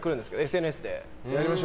ＳＮＳで。